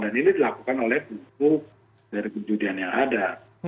dan ini dilakukan oleh buku dari pencucian yang ada